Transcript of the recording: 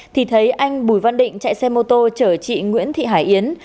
thì thấy anh bùi văn định chạy xe mô tô chở chị nguyễn thị hải yến